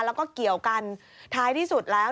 แล้วก็เกี่ยวกันท้ายที่สุดแล้ว